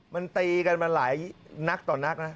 มันตีกันมาหลายนักต่อนักนะ